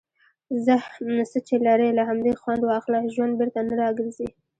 څۀ چې لرې، له همدې خؤند واخله. ژؤند بیرته نۀ را ګرځي.